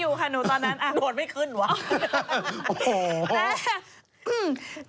อยู่ค่ะหนูตอนนั้นโดนไม่ขึ้นหรือเปล่า